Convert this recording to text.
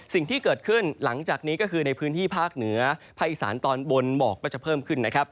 สิ่งที่เกิดขึ้นหลังจากนี้ก็คือในพื้นที่ภาคเหนือภาคอีสานตอนบนหมอกก็จะเพิ่มขึ้นนะครับ